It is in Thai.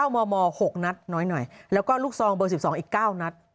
มม๖นัดน้อยหน่อยแล้วก็ลูกซองเบอร์๑๒อีก๙นัด